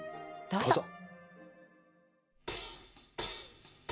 どうぞ。